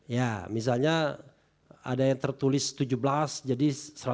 ya misalnya ada yang tertulis tujuh belas jadi satu ratus lima puluh